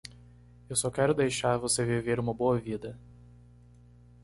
Eu só quero deixar você viver uma boa vida.